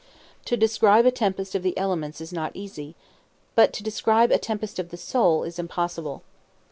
To describe a tempest of the elements is not easy, but to describe a tempest of the soul is impossible.